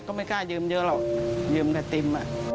ก็ไม่กล้ายืมเยอะหรอกยืมไอติม